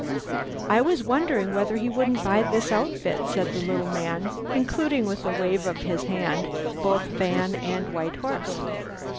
"I was wondering whether he wouldn't buy this outfit," said the little man, including, with a wave of the hand, both van and white horse.